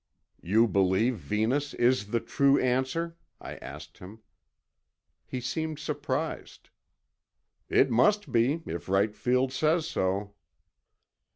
"You believe Venus is the true answer?" I asked him. He seemed surprised. "It must be, if Wright Field says so."